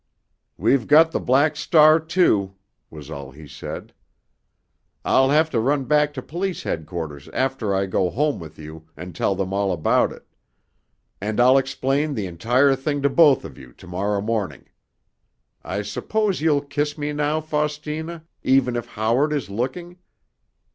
"We've got the Black Star, too," was all he said. "I'll have to run back to police headquarters after I go home with you, and tell them all about it. And I'll explain the entire thing to both of you to morrow morning. I suppose you'll kiss me now, Faustina, even if Howard is looking?